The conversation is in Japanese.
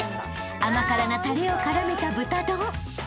［甘辛なたれを絡めた豚丼］